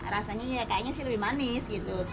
rasanya kayaknya lebih manis